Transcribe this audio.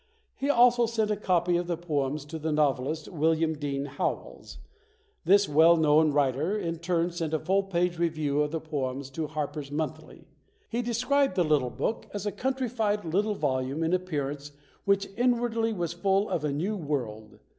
He also sent a copy of the poems to the novelist, William Dean Howells. This well known writer in turn sent a full page review of the poems to Harper's Monthly. He described the little book as a countrified little volume in appearance which inwardly was full of a new world.